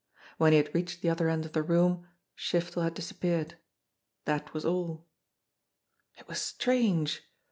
When he had reached the other end of the room Shiftel had disappeared. That was all. It was strange!